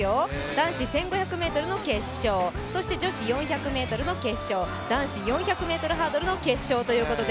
男子１５００ｍの決勝、女子４００ｍの決勝男子４００ｍハードルの決勝です。